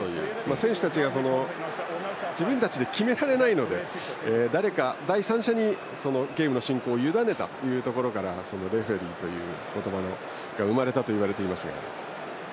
選手たちが自分たちでは決められないので誰か第三者にゲームの進行をゆだねたことからレフリーという言葉が生まれたといわれています。